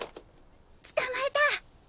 捕まえた！